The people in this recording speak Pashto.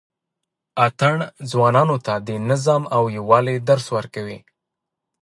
اتڼ ځوانانو ته د نظم او یووالي درس ورکوي.